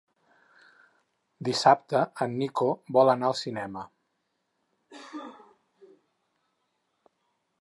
Dissabte en Nico vol anar al cinema.